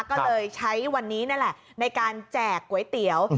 ก็เลยใช้วันนี้นั่นแหละในการแจกก๋วยเตี๋ยว